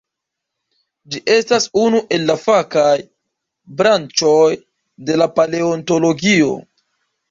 Ĝi estas unu el la fakaj branĉoj de la paleontologio.